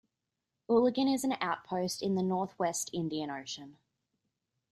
Uligan is an outpost in the northwest Indian Ocean.